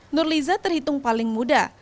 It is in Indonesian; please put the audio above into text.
nurliza terhitung paling muda